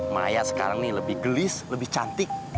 maya sekarang ini lebih gelis lebih cantik